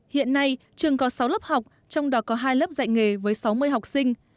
hiện nay trường có sáu lớp học trong đó có hai lớp dạy nghề với sáu mươi học sinh